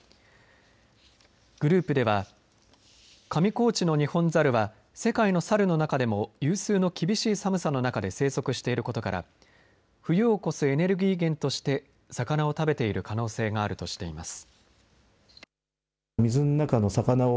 グループでは上高地のニホンザルは世界の猿の中でも有数の厳しい寒さの中で生息していることから冬を越すエネルギー源として魚を食べている可能性があるとしています。